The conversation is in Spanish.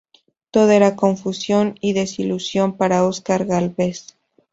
Todo era confusión, y desilusión para Oscar Gálvez.